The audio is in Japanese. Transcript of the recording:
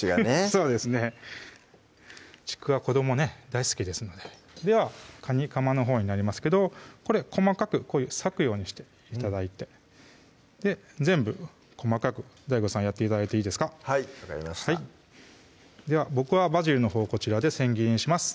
そうですねちくわ子どもね大好きですのでではかにかまのほうになりますけどこれ細かく割くようにして頂いて全部細かくＤＡＩＧＯさんやって頂いていいですかはい分かりましたでは僕はバジルのほうこちらで千切りにします